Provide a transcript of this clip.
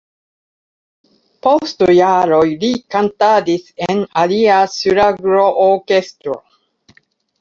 Post jaroj li kantadis en alia ŝlagrorkestro.